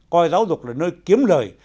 coi giáo dục là nơi kiếm lời